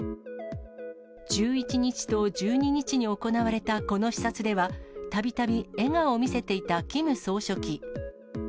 １１日と１２日に行われたこの視察では、たびたび笑顔を見せていたキム総書記。